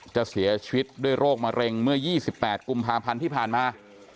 จะเสียชีวิตด้วยโรคมะเร็งเมื่อ๒๘กุมภาพันธ์ที่ผ่านมา